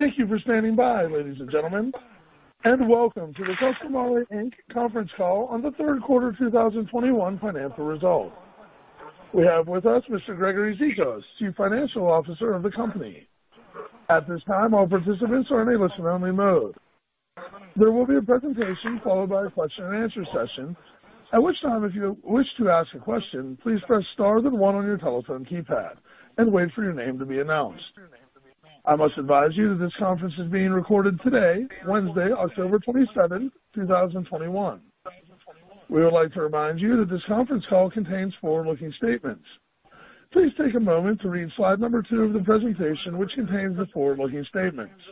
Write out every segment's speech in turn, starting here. Thank you for standing by, ladies and gentlemen, and welcome to the Costamare Inc conference call on the third quarter 2021 financial results. We have with us Mr. Gregory Zikos, Chief Financial Officer of the company. At this time, all participants are in a listen only mode. There will be a presentation followed by a question and answer session, at which time, if you wish to ask a question, please press star then one on your telephone keypad and wait for your name to be announced. I must advise you that this conference is being recorded today, Wednesday, October 27, 2021. We would like to remind you that this conference call contains forward-looking statements. Please take a moment to read slide number two of the presentation, which contains the forward-looking statements.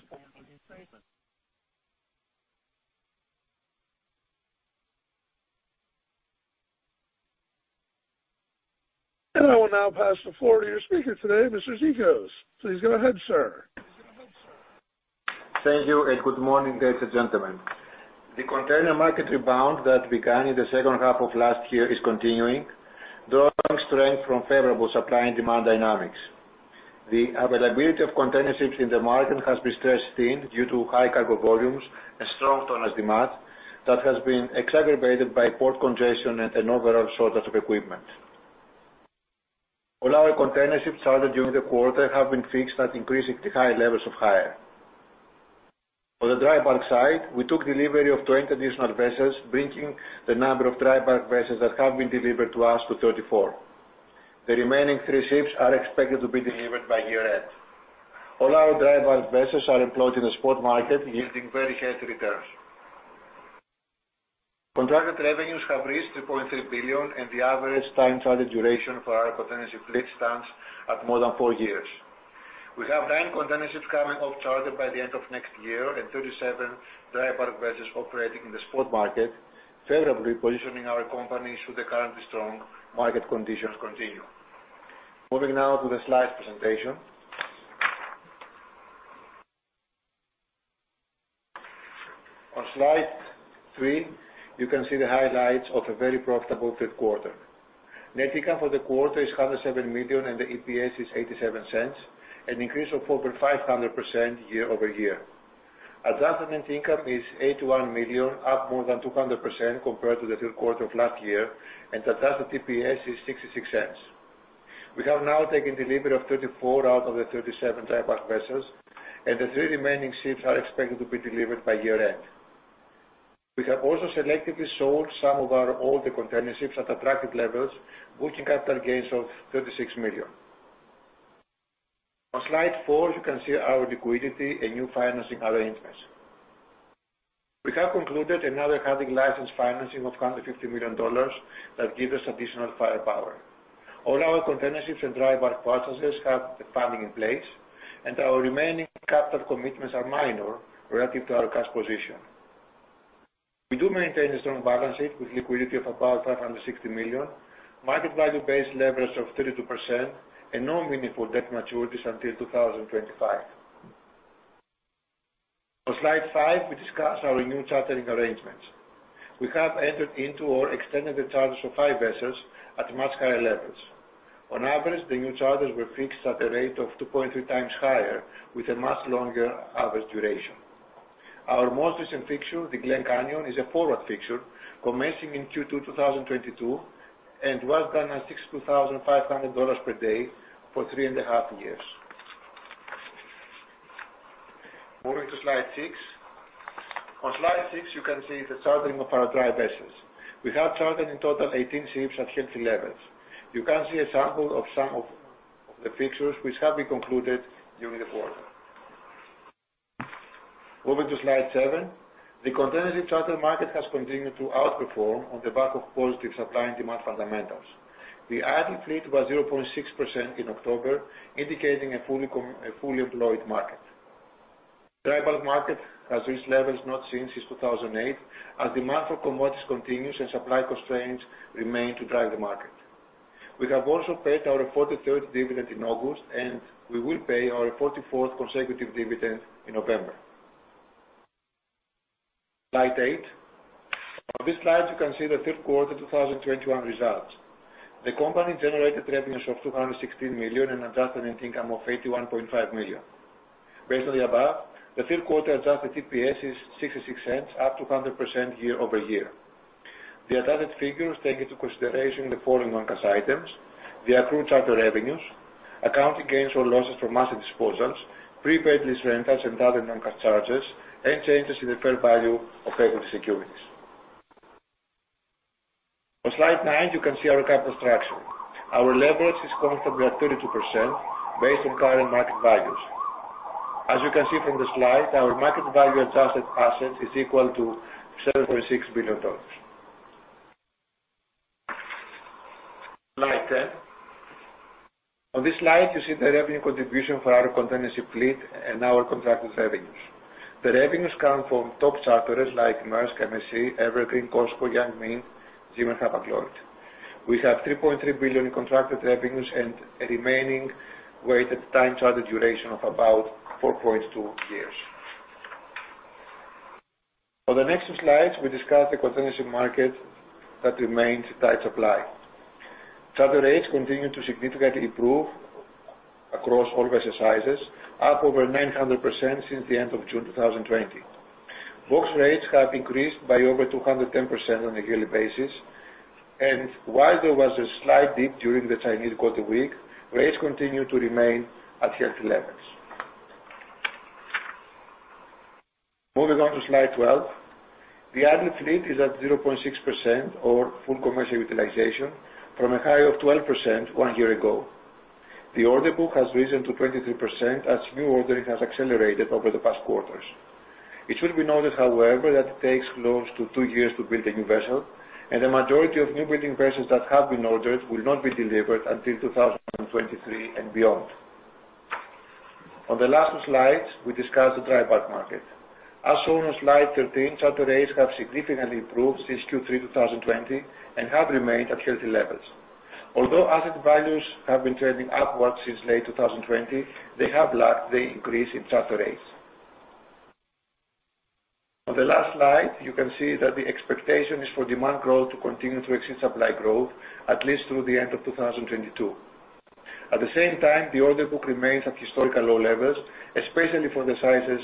I will now pass the floor to your speaker today, Mr. Zikos. Please go ahead, sir. Thank you, and good morning, ladies and gentlemen. The container market rebound that began in the second half of last year is continuing, drawing strength from favorable supply and demand dynamics. The availability of container ships in the market has been stretched thin due to high cargo volumes and strong tonnage demand that has been exacerbated by port congestion and an overall shortage of equipment. All our container ships chartered during the quarter have been fixed at increasingly high levels of hire. On the dry bulk side, we took delivery of 20 additional vessels, bringing the number of dry bulk vessels that have been delivered to us to 34. The remaining three ships are expected to be delivered by year-end. All our dry bulk vessels are employed in the spot market, yielding very healthy returns. Contracted revenues have reached $2.3 billion, and the average time charter duration for our potential fleet stands at more than four years. We have nine container ships coming off charter by the end of next year and 37 dry bulk vessels operating in the spot market, favorably positioning our company should the currently strong market conditions continue. Moving now to the slides presentation. On slide three, you can see the highlights of a very profitable third quarter. Net income for the quarter is $107 million, and the EPS is $0.87, an increase of over 500% year-over-year. Adjusted net income is $81 million, up more than 200% compared to the third quarter of last year, and adjusted EPS is $0.66. We have now taken delivery of 34 out of the 37 dry bulk vessels, and the three remaining ships are expected to be delivered by year-end. We have also selectively sold some of our older container ships at attractive levels, booking after-tax gains of $36 million. On slide four, you can see our liquidity and new financing arrangements. We have concluded another hunting license financing of $150 million that give us additional firepower. All our container ships and dry bulk purchases have the funding in place, and our remaining capital commitments are minor relative to our cash position. We do maintain a strong balance sheet with liquidity of about $560 million, market value based leverage of 32% and no meaningful debt maturities until 2025. On slide five, we discuss our new chartering arrangements. We have entered into or extended the charters of five vessels at much higher levels. On average, the new charters were fixed at a rate of 2.3x higher, with a much longer average duration. Our most recent fixture, the GLEN CANYON, is a forward fixture commencing in Q2 2022 and fixed at $62,500 per day for 3.5 years. Moving to slide six. On slide six, you can see the chartering of our dry vessels. We have chartered in total 18 ships at healthy levels. You can see a sample of some of the fixtures which have been concluded during the quarter. Moving to slide seven. The container ship charter market has continued to outperform on the back of positive supply and demand fundamentals. The added fleet was 0.6% in October, indicating a fully employed market. Dry bulk market has reached levels not seen since 2008 as demand for commodities continues and supply constraints remain to drive the market. We have also paid our 43rd dividend in August, and we will pay our 44th consecutive dividend in November. Slide eight. On this slide you can see the third quarter 2021 results. The company generated revenues of $216 million and adjusted net income of $81.5 million. Based on the above, the third quarter adjusted EPS is $0.66, up 200% year-over-year. The adjusted figures take into consideration the following non-cash items, the accrued charter revenues, accounting gains or losses from asset disposals, prepaid lease rentals and other non-cash charges, and changes in the fair value of equity securities. On slide nine, you can see our capital structure. Our leverage is comfortably at 32% based on current market values. As you can see from the slide, our market value adjusted assets is equal to $7.6 billion. Slide 10. On this slide you see the revenue contribution for our container ship fleet and our contracted revenues. The revenues come from top charterers like Maersk, MSC, Evergreen, COSCO, Yang Ming, ZIM and Hapag-Lloyd. We have $3.3 billion in contracted revenues and a remaining weighted time charter duration of about 4.2 years. On the next two slides, we discuss the containership market that remains tight supply. Charter rates continue to significantly improve across all vessel sizes, up over 900% since the end of June 2020. Box rates have increased by over 210% on a yearly basis, and while there was a slight dip during the Chinese Golden Week, rates continue to remain at healthy levels. Moving on to slide 12. The added fleet is at 0.6% or full commercial utilization from a high of 12% one year ago. The order book has risen to 23% as new ordering has accelerated over the past quarters. It should be noted, however, that it takes close to two years to build a new vessel, and the majority of new building vessels that have been ordered will not be delivered until 2023 and beyond. On the last two slides, we discuss the dry bulk market. As shown on slide 13, charter rates have significantly improved since Q3 2020 and have remained at healthy levels. Although asset values have been trending upwards since late 2020, they have lacked the increase in charter rates. On the last slide, you can see that the expectation is for demand growth to continue to exceed supply growth at least through the end of 2022. At the same time, the order book remains at historically low levels, especially for the sizes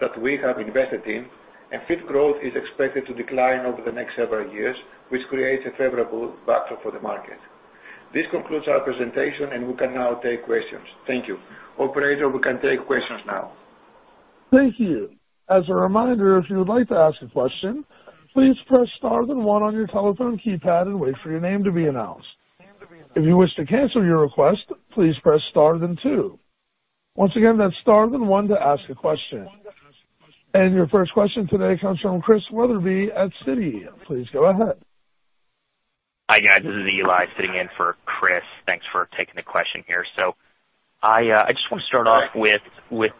that we have invested in and fleet growth is expected to decline over the next several years, which creates a favorable backdrop for the market. This concludes our presentation and we can now take questions. Thank you. Operator, we can take questions now. Thank you. As a reminder, if you would like to ask a question, please press star then one on your telephone keypad and wait for your name to be announced. If you wish to cancel your request, please press star then two. Once again, that's star then one to ask a question. Your first question today comes from Chris Wetherbee at Citi. Please go ahead. Hi, guys. This is Eli sitting in for Chris. Thanks for taking the question here. I just want to start off with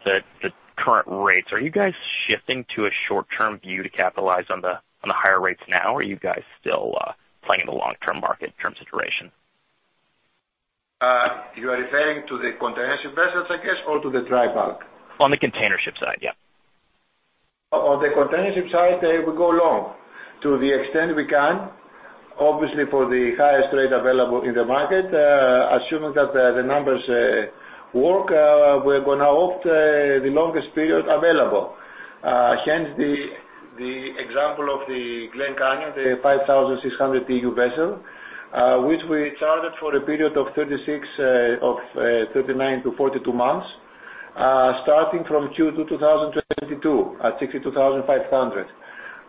the current rates. Are you guys shifting to a short-term view to capitalize on the higher rates now? Are you guys still playing in the long-term market in terms of duration? You are referring to the containership vessels, I guess, or to the dry bulk? On the containership side, yeah. On the containership side, we go long to the extent we can, obviously for the highest rate available in the market. Assuming that the numbers work, we're gonna opt for the longest period available. Hence the example of the GLEN CANYON, the 5,600 TEU vessel, which we chartered for a period of 39-42 months, starting from Q2 2022 at $62,500.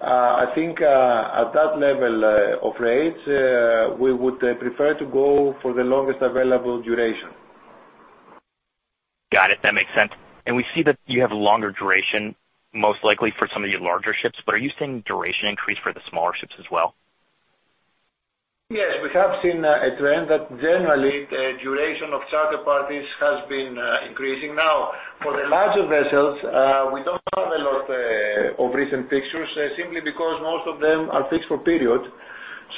I think at that level of rates, we would prefer to go for the longest available duration. Got it. That makes sense. We see that you have longer duration, most likely for some of your larger ships, but are you seeing duration increase for the smaller ships as well? Yes, we have seen a trend that generally the duration of charter parties has been increasing. Now, for the larger vessels, we don't have a lot of recent fixtures simply because most of them are fixed for periods,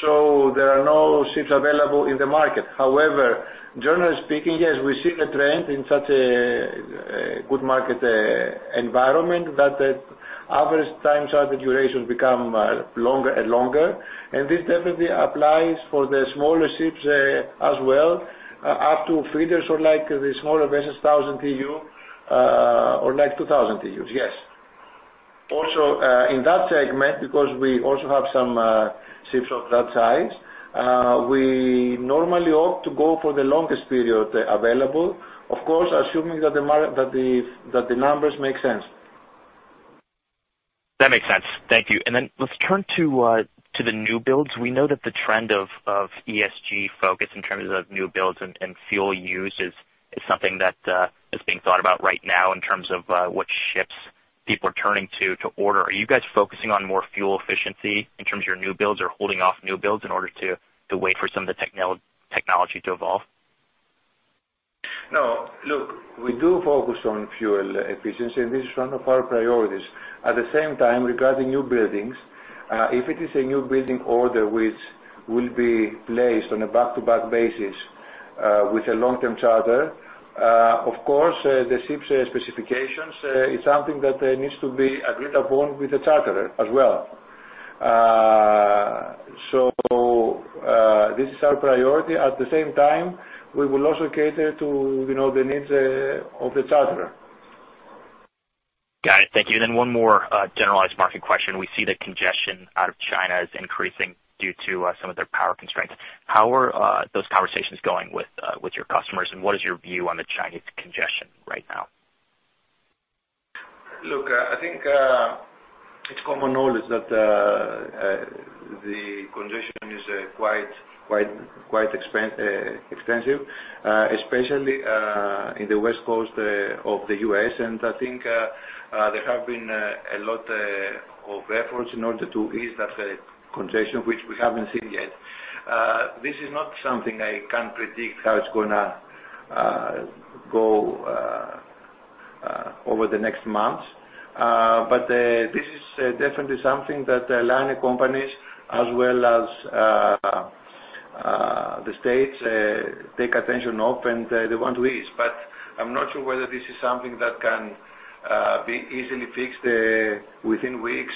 so there are no ships available in the market. However, generally speaking, yes, we're seeing a trend in such a good market environment that the average time charter durations become longer and longer. This definitely applies for the smaller ships as well, up to feeders or like the smaller vessels, 1,000 TEU or like 2,000 TEUs, yes. Also, in that segment, because we also have some ships of that size, we normally opt to go for the longest period available, of course, assuming that the numbers make sense. That makes sense. Thank you. Let's turn to the new builds. We know that the trend of ESG focus in terms of new builds and fuel use is something that is being thought about right now in terms of what ships people are turning to order. Are you guys focusing on more fuel efficiency in terms of your new builds or holding off new builds in order to wait for some of the technology to evolve? No. Look, we do focus on fuel efficiency, and this is one of our priorities. At the same time, regarding new buildings, if it is a new building order which will be placed on a back-to-back basis, with a long-term charter, of course, the ship's specifications is something that needs to be agreed upon with the charterer as well. This is our priority. At the same time, we will also cater to, you know, the needs of the charterer. Got it. Thank you. One more generalized market question. We see the congestion out of China is increasing due to some of their power constraints. How are those conversations going with your customers and what is your view on the Chinese congestion right now? Look, I think it's common knowledge that the congestion is quite extensive, especially in the West Coast of the U.S. I think there have been a lot of efforts in order to ease that congestion, which we haven't seen yet. This is not something I can predict how it's gonna go over the next months. This is definitely something that the liner companies as well as the States take very seriously and they want to ease. I'm not sure whether this is something that can be easily fixed within weeks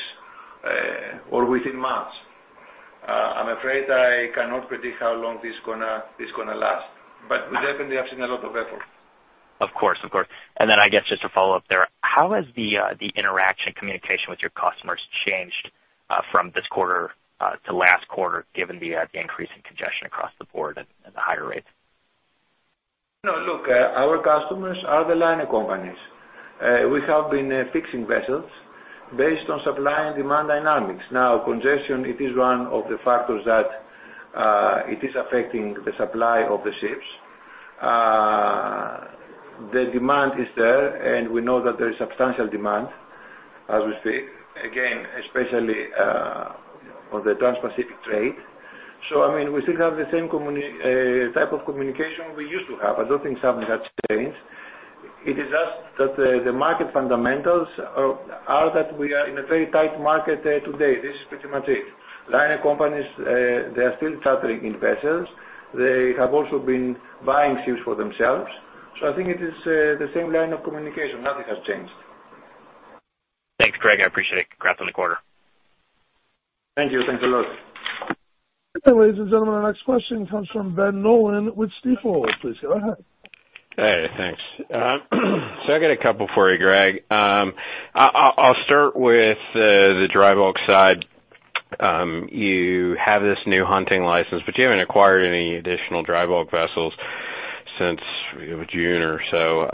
or within months. I'm afraid I cannot predict how long this gonna last, but we definitely have seen a lot of effort. Of course. I guess just to follow up there, how has the interaction communication with your customers changed from this quarter to last quarter, given the increase in congestion across the board at the higher rates? No, look, our customers are the liner companies. We have been fixing vessels based on supply and demand dynamics. Now, congestion, it is one of the factors that it is affecting the supply of the ships. The demand is there, and we know that there is substantial demand as we speak, again, especially on the transpacific trade. I mean, we still have the same type of communication we used to have. I don't think something has changed. It is just that the market fundamentals are that we are in a very tight market today. This is pretty much it. Liner companies, they are still chartering in vessels. They have also been buying ships for themselves. I think it is the same line of communication. Nothing has changed. Thanks, Greg. I appreciate it. Congrats on the quarter. Thank you. Thanks a lot. Ladies and gentlemen, our next question comes from Ben Nolan with Stifel. Please go ahead. Hey, thanks. I got a couple for you, Greg. I'll start with the dry bulk side. You have this new hunting license, but you haven't acquired any additional dry bulk vessels since June or so.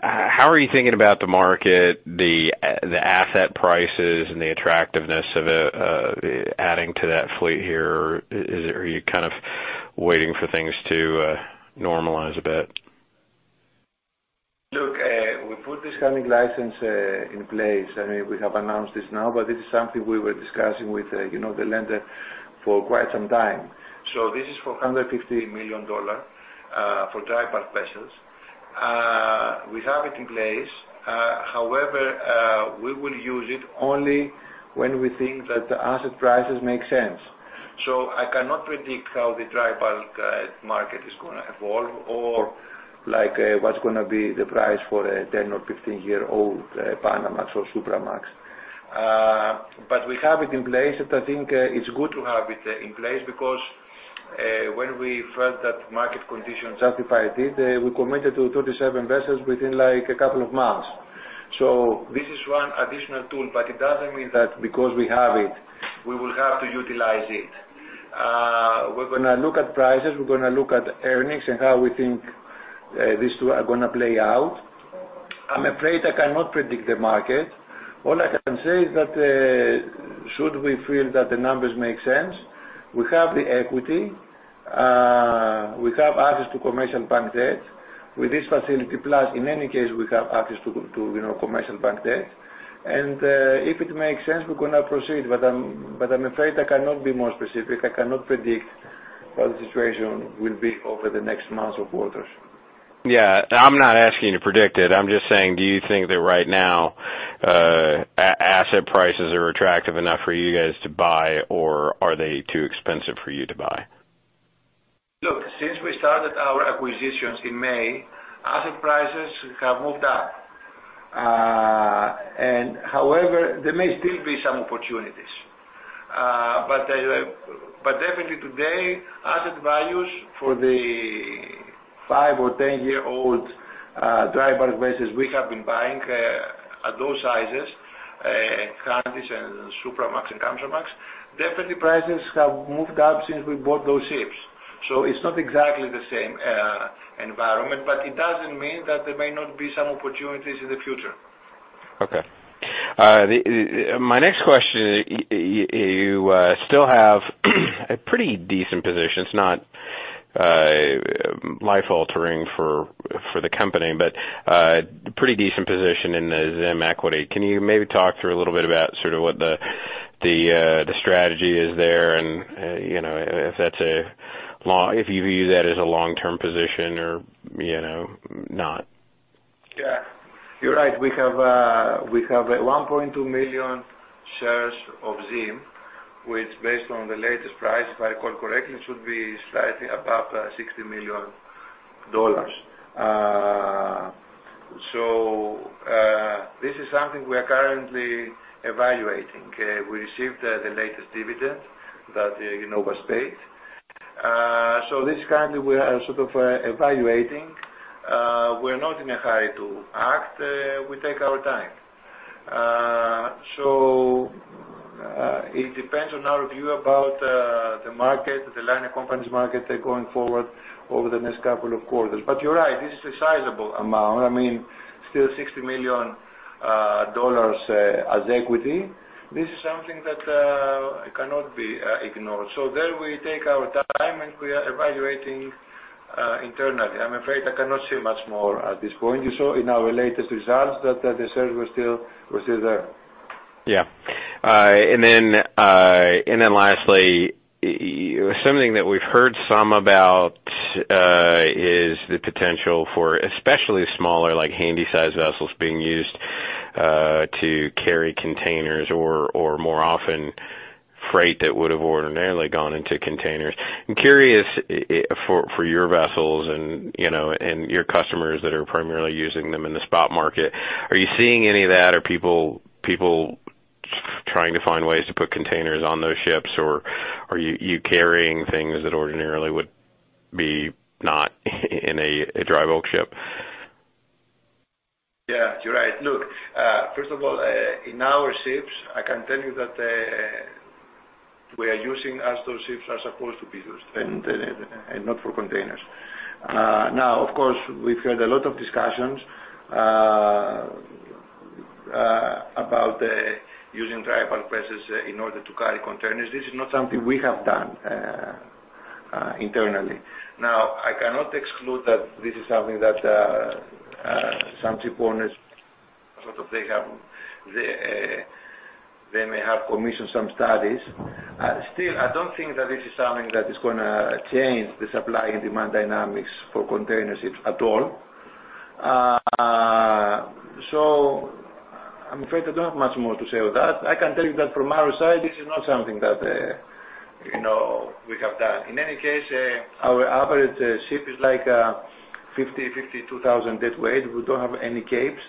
How are you thinking about the market, the asset prices and the attractiveness of adding to that fleet here? Are you kind of waiting for things to normalize a bit? Look, we put this hunting license in place. I mean, we have announced this now, but this is something we were discussing with, you know, the lender for quite some time. This is for $150 million for dry bulk vessels. We have it in place. However, we will use it only when we think that the asset prices make sense. I cannot predict how the dry bulk market is gonna evolve or like, what's gonna be the price for a 10- or 15-year-old Panamax or Supramax. But we have it in place. I think it's good to have it in place because, when we felt that market conditions justified it, we committed to 37 vessels within, like, a couple of months. This is one additional tool, but it doesn't mean that because we have it, we will have to utilize it. We're gonna look at prices, we're gonna look at earnings and how we think these two are gonna play out. I'm afraid I cannot predict the market. All I can say is that should we feel that the numbers make sense, we have the equity, we have access to commercial bank debt. With this facility plus, in any case, we have access to you know, commercial bank debt. If it makes sense, we're gonna proceed. I'm afraid I cannot be more specific. I cannot predict what the situation will be over the next months or quarters. Yeah. I'm not asking you to predict it. I'm just saying, do you think that right now, asset prices are attractive enough for you guys to buy, or are they too expensive for you to buy? Look, since we started our acquisitions in May, asset prices have moved up. However, there may still be some opportunities. But definitely today, asset values for the five- or 10-year-old dry bulk vessels we have been buying at those sizes, Handysize and Supramax and Panamax, definitely prices have moved up since we bought those ships. It's not exactly the same environment, but it doesn't mean that there may not be some opportunities in the future. Okay. My next question, you still have a pretty decent position. It's not life-altering for the company, but pretty decent position in the ZIM equity. Can you maybe talk through a little bit about sort of what the strategy is there and, you know, if you view that as a long-term position or, you know, not? Yeah, you're right. We have 1.2 million shares of ZIM, which based on the latest price, if I recall correctly, should be slightly above $60 million. This is something we are currently evaluating. We received the latest dividend that, you know, was paid. This currently we are sort of evaluating. We're not in a hurry to act. We take our time. It depends on our view about the market, the liner companies market going forward over the next couple of quarters. You're right, this is a sizable amount. I mean, still $60 million as equity. This is something that cannot be ignored. There we take our time, and we are evaluating internally. I'm afraid I cannot say much more at this point. You saw in our latest results that the shares were still there. Lastly, something that we've heard some about is the potential for especially smaller, like Handysize vessels being used is like 50,000-52,000 deadweight. We don't have any capes.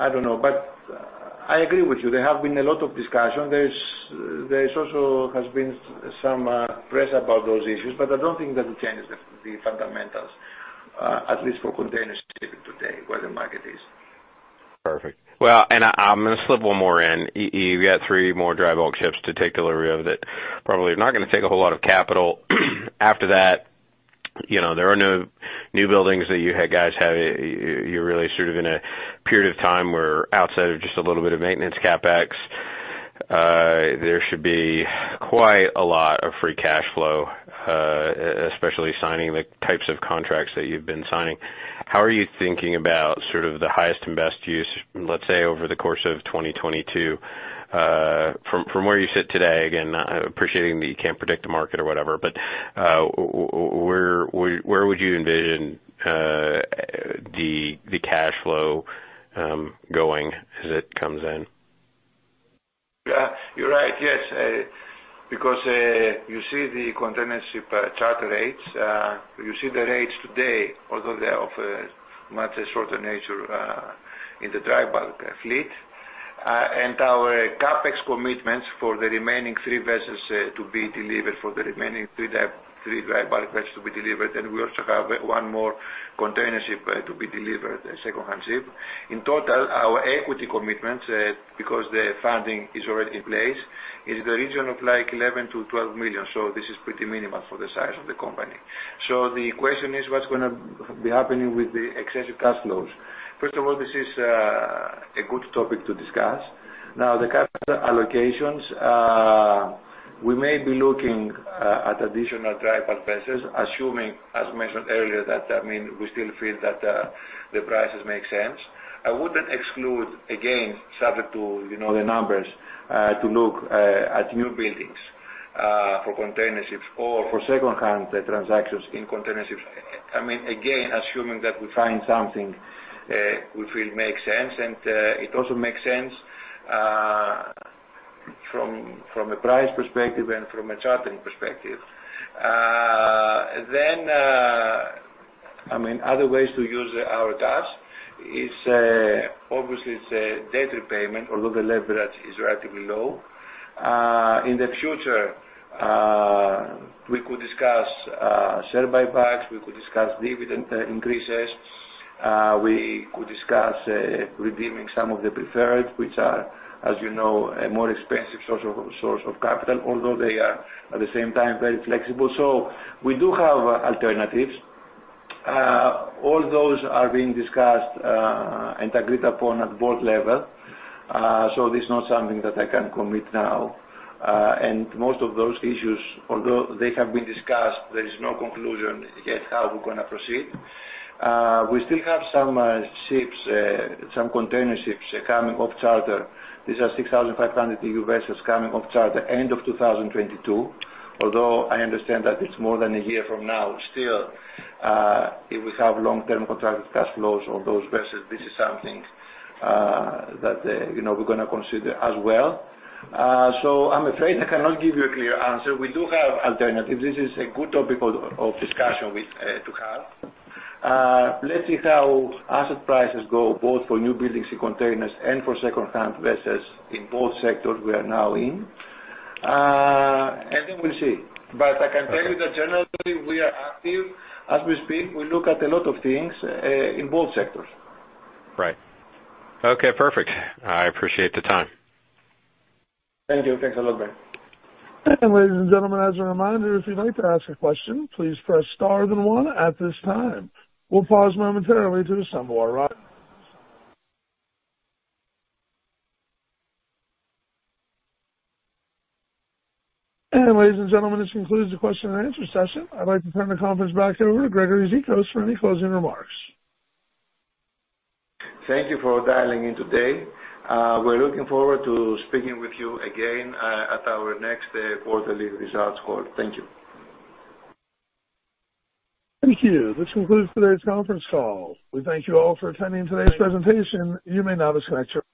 I don't know. I agree with you. There have been a lot of discussion. There has also been some press about those issues, but I don't think that it changes the fundamentals, at least for container shipping today, where the market is. Perfect. Well, I'm gonna slip one more in. You've got three more dry bulk ships to take delivery of that probably are not gonna take a whole lot of capital. After that, you know, there are no new buildings that you guys have. You're really sort of in a period of time where outside of just a little bit of maintenance CapEx, there should be quite a lot of free cash flow, especially signing the types of contracts that you've been signing. How are you thinking about sort of the highest and best use, let's say, over the course of 2022? From where you sit today, again, appreciating that you can't predict the market or whatever, but where would you envision the cash flow going as it comes in? Yeah, you're right. Yes. Because you see the container ship charter rates, you see the rates today, although they're of a much shorter nature, in the dry bulk fleet. Our CapEx commitments for the remaining three dry bulk vessels to be delivered, and we also have one more container ship to be delivered, a second-hand ship. In total, our equity commitments, because the funding is already in place, is in the region of like $11 million-$12 million. This is pretty minimal for the size of the company. The question is, what's gonna be happening with the excess cash flows? First of all, this is a good topic to discuss. Now, the cash allocations, we may be looking at additional dry bulk vessels, assuming, as mentioned earlier, that, I mean, we still feel that the prices make sense. I wouldn't exclude, again, subject to, you know, the numbers, to look at new buildings for container ships or for second-hand transactions in container ships. I mean, again, assuming that we find something we feel makes sense and it also makes sense from a price perspective and from a chartering perspective. I mean, other ways to use our cash is obviously debt repayment, although the leverage is relatively low. In the future, we could discuss share buybacks, we could discuss dividend increases, we could discuss redeeming some of the preferred, which are, as you know, a more expensive source of capital, although they are at the same time very flexible. We do have alternatives. All those are being discussed and agreed upon at board level. This is not something that I can commit now. Most of those issues, although they have been discussed, there is no conclusion yet how we're gonna proceed. We still have some ships, some container ships coming off charter. These are 6,500 TEU vessels coming off charter end of 2022. Although I understand that it's more than a year from now, still, if we have long-term contracted cash flows on those vessels, this is something that, you know, we're gonna consider as well. So I'm afraid I cannot give you a clear answer. We do have alternatives. This is a good topic of discussion to have. Let's see how asset prices go both for new buildings and containers and for second-hand vessels in both sectors we are now in. And then we'll see. But I can tell you that generally we are active. As we speak, we look at a lot of things in both sectors. Right. Okay, perfect. I appreciate the time. Thank you. Thanks a lot, Brad. Ladies and gentlemen, as a reminder, if you'd like to ask a question, please press star then one at this time. We'll pause momentarily to assemble our line. Ladies and gentlemen, this concludes the question and answer session. I'd like to turn the conference back over to Gregory Zikos for any closing remarks. Thank you for dialing in today. We're looking forward to speaking with you again at our next quarterly results call. Thank you. Thank you. This concludes today's conference call. We thank you all for attending today's presentation. You may now disconnect your.